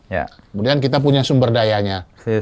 kemudian kita punya sumber dayanya